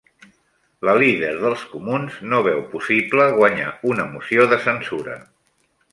La líder dels Comuns no veu possible guanyar una moció de censura